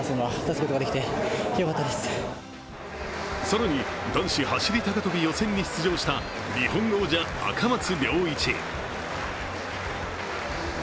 更に、男子走り高跳び予選に出場した日本王者、赤松諒一。